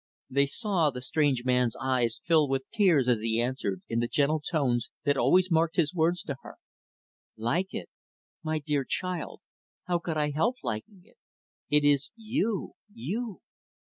They saw the strange man's eyes fill with tears as he answered, in the gentle tones that always marked his words to her, "Like it? My dear child, how could I help liking it? It is you you!"